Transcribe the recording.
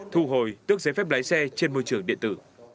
thu hồi tước giấy phép lái xe trên môi trường điện tử